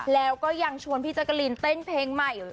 แล้วก็ยังชวนพี่แจ๊กกะลีนเต้นเพลงใหม่